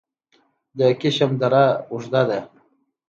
د کشم دره اوږده ده